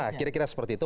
ya kira kira seperti itu